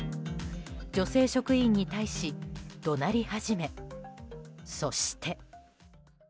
女性職員に対し怒鳴り始めそして。